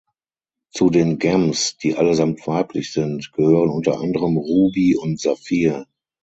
Zu den "Gems" (die allesamt weiblich sind) gehören unter anderem "Ruby" und "Sapphire".